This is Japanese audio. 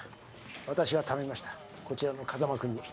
私が頼みましたこちらの風真君に。